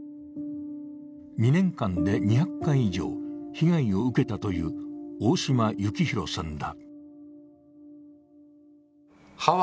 ２年間で２００回以上、被害を受けたという大島幸広さんだ。